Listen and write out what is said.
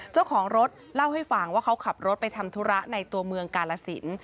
เจ้าของรถเล่าให้ฟังว่าเขาขับรถไปทำธุระในตัวเมืองกาลสิน